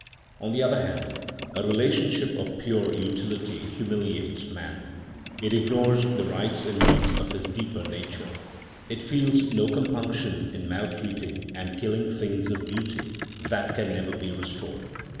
On the other hand, a relationship of pure utility humiliates man—it ignores the rights and needs of his deeper nature; it feels no compunction in maltreating and killing things of beauty that can never be restored.